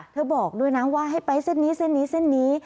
บอกด้วยนะว่าให้ไปเส้นนี้เส้นนี้เส้นนี้